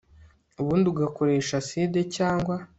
ubundi ugakoresha acid cyangwa